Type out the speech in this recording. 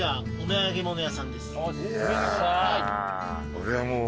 俺はもう。